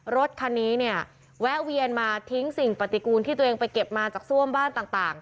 รถคันนี้เนี่ยแวะเวียนมาทิ้งสิ่งปฏิกูลที่ตัวเองไปเก็บมาจากซ่วมบ้านต่าง